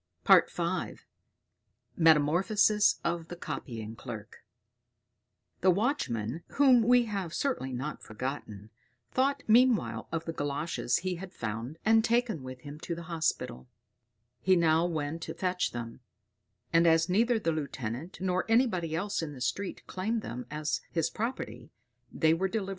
V. Metamorphosis of the Copying Clerk The watchman, whom we have certainly not forgotten, thought meanwhile of the galoshes he had found and taken with him to the hospital; he now went to fetch them; and as neither the lieutenant, nor anybody else in the street, claimed them as his property, they were delivered over to the police office.